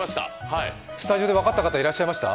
スタジオで分かった方いらっしゃいました？